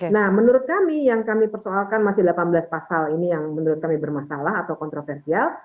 nah menurut kami yang kami persoalkan masih delapan belas pasal ini yang menurut kami bermasalah atau kontroversial